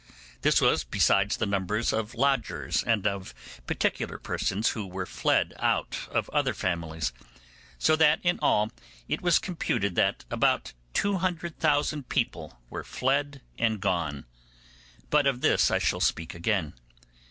This was besides the numbers of lodgers, and of particular persons who were fled out of other families; so that in all it was computed that about 200,000 people were fled and gone. But of this I shall speak again.